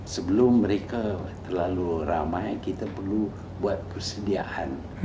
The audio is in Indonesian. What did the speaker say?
sebelum mereka terlalu ramai kita perlu buat persediaan